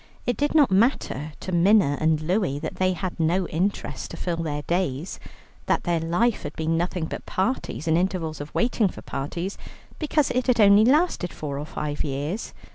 It did not matter to Minna and Louie that they had no interests to fill their days, that their life had been nothing but parties and intervals of waiting for parties, because it had only lasted four or five years.